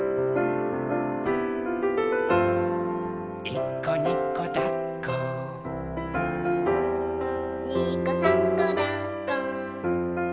「いっこにこだっこ」「にこさんこだっこ」